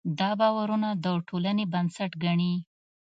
دا باورونه د ټولنې بنسټ ګڼي.